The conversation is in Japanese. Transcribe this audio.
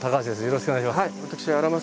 よろしくお願いします。